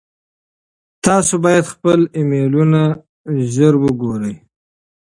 تاسو باید خپل ایمیلونه ژر وګورئ.